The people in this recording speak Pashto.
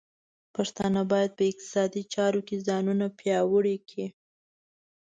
پښتانه بايد په اقتصادي چارو کې ځانونه پیاوړي کړي.